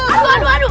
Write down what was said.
aduh aduh aduh